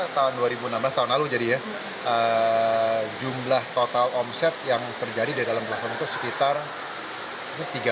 tahun dua ribu enam belas tahun lalu jadi ya jumlah total omset yang terjadi di dalam perusahaan itu sekitar tiga lima triliun rupiah